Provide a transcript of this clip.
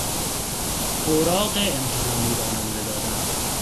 اوراق امتحانی را نمره دادن